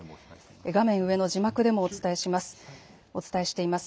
画面上の字幕でもお伝えしています。